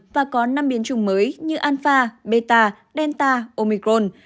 và có năm biến chủng mới như alfa beta delta omicron